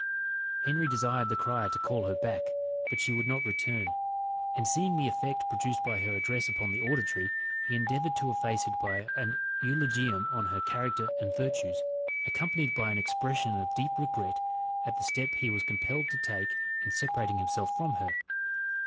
Henry desired the crier to call her back, but she would not return; and seeing the effect produced by her address upon the auditory, he endeavoured to efface it by an eulogium on her character and virtues, accompanied by an expression of deep regret at the step he was compelled to take in separating himself from her.